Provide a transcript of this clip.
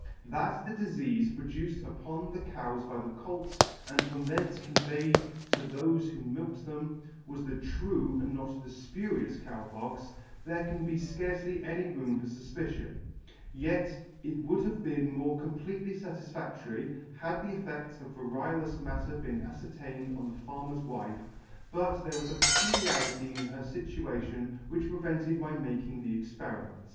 That the difeafe produced upon the cows by the colt, and from thence conveyed to thofe who milked them, was the true and not the fpurious Cow Pox *, there can be fcarcely any room for fufpicion; yet it would have been more completely fatif fadtory, had the effedts of variolous matter been afcertained on the farmer's wife, but there was a peculiarity in her fltuation which prevented my making the experiment.